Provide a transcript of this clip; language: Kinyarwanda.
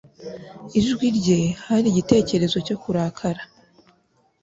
Ijwi rye hari igitekerezo cyo kurakara.